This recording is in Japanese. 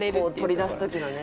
取り出す時のね。